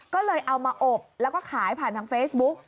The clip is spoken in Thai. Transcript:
ก็เลยเอามาอบแล้วก็ขายผ่านทางเฟซบุ๊ก